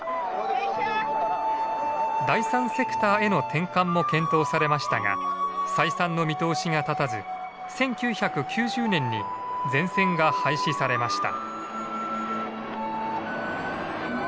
第３セクターへの転換も検討されましたが採算の見通しが立たず１９９０年に全線が廃止されました。